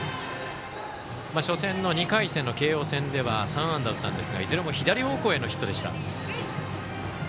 初戦の２回戦の慶応戦では２安打だったんですがいずれも左方向へのヒットでした。